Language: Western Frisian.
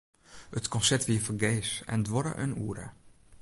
It konsert wie fergees en duorre in oere.